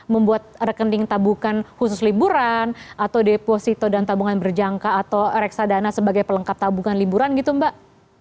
membuat rekening tabukan khusus liburan atau deposito dan tabungan berjangka atau reksadana sebagai pelengkap tabungan liburan gitu mbak